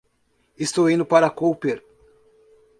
Eu estou indo para Koper.